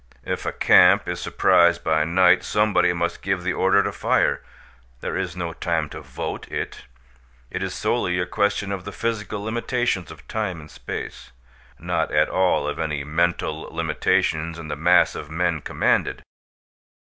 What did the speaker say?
If a camp is surprised by night somebody must give the order to fire; there is no time to vote it. It is solely a question of the physical limitations of time and space; not at all of any mental limitations in the mass of men commanded.